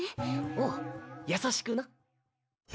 おう優しくな。